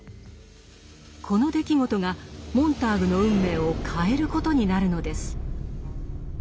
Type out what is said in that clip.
この出来事がモンターグの運命を変えることになるのです。